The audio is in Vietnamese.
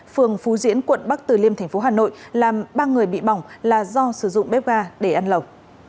phường phú diễn quận bắc từ liêm thành phố hà nội làm ba người bị bỏng là do sử dụng bếp ga để ăn lồng